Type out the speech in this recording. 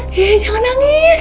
eh jangan nangis